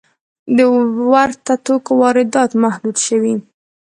د ورته توکو واردات محدود شوي؟